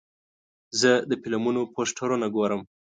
زه د فلمونو پوسټرونه ګورم.